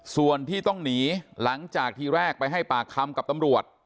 ส่วนที่ต้องหนีหลังจากที่แรกไปให้ปากคำกับตำรวจ